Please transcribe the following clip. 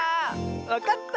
わかった？